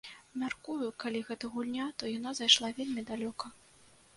Мяркую, калі гэта гульня, то яна зайшла вельмі далёка.